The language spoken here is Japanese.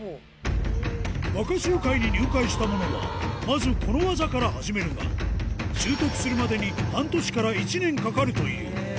若衆会に入会した者は、まずこの技から始めるが、習得するまでに半年から１年かかるという。